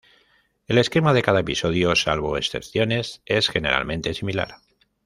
El esquema de cada episodio, salvo excepciones, es generalmente similar.